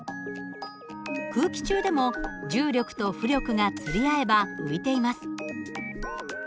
空気中でも重力と浮力が釣り合えば浮いています。